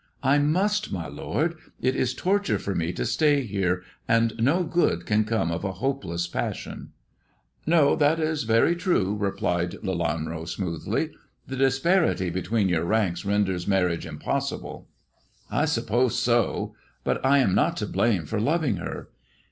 I must, my lord. It is torture for me to stay here, and no good can come of a hopeless passion." THE dwarf's chamber 143 ti tc No ; that is very true," replied Lelanro smoothly ; "the disparity between your ranks renders marriage impossible." " I suppose so. But I am not to blame for loving her.